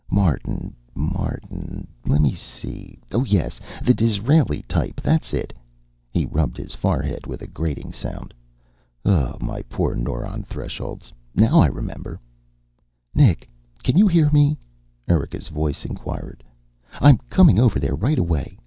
Martin, Martin? Let me see oh yes, the Disraeli type, that's it." He rubbed his forehead with a grating sound. "Oh, my poor neuron thresholds! Now I remember." "Nick, can you hear me?" Erika's voice inquired. "I'm coming over there right away.